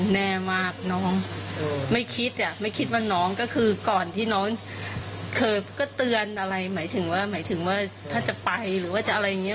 แน่มากน้องไม่คิดอ่ะไม่คิดว่าน้องก็คือก่อนที่น้องเคยก็เตือนอะไรหมายถึงว่าหมายถึงว่าถ้าจะไปหรือว่าจะอะไรอย่างนี้